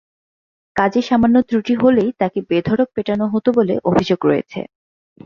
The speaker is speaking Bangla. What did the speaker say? কাজে সামান্য ত্রুটি হলেই তাকে বেধড়ক পেটানো হতো বলে অভিযোগ রয়েছে।